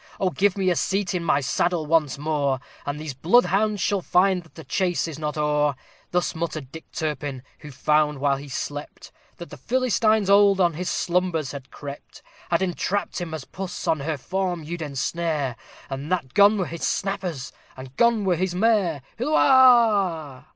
Oh! give me a seat in my saddle once more, And these bloodhounds shall find that the chase is not o'er!" Thus muttered Dick Turpin, who found, while he slept, That the Philistines old on his slumbers had crept; Had entrapped him as puss on her form you'd ensnare, And that gone were his snappers and gone was his mare. _Hilloah!